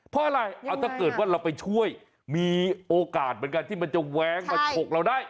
เพราะอะไรเอาถ้าเกิดว่าเราไปช่วยมีโอกาสเหมือนกันที่มันจะแว้งมาฉกเราได้